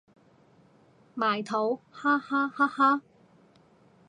埋土哈哈哈哈